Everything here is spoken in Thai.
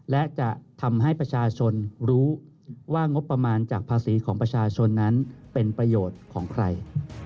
และจะทำให้ประชาชนรู้ว่างบประมาณจากภาษีของประชาชนนั้นเป็นประโยชน์ของใคร